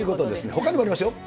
ほかにもありますよ。